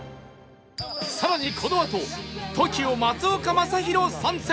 更にこのあと ＴＯＫＩＯ 松岡昌宏参戦